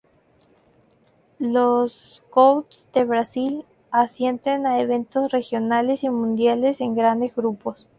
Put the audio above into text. Los Scouts de Brasil asisten a eventos regionales y mundiales en grandes grupos.